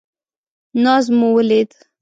ناز مو ولید.